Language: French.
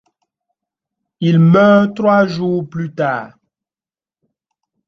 Il meurt trois jours plus tard.